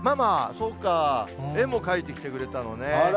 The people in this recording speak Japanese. そうか、絵も描いてきてくれたのね。